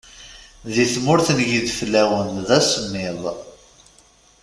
Di tmurt n yideflawen d asemmiḍ.